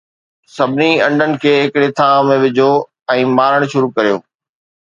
سڀني انڊن کي ھڪڙي ٿانو ۾ وجھو ۽ مارڻ شروع ڪريو